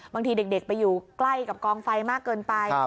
บางทีเด็กไปอยู่ใกล้กับกองไฟมากเกินไป